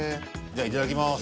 じゃいただきます。